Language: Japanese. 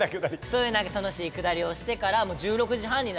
そういう楽しいくだりをしてから。